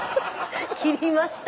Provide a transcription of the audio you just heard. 切りました。